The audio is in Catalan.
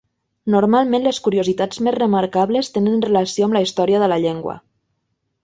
Normalment, les curiositats més remarcables tenen relació amb la "història de la llengua".